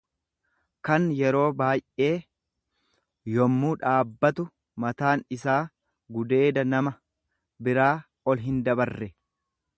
kan yeroo baay'ee yammuu dhaabbatu mataan isaa gudeeda nama biraa ol hindabarre.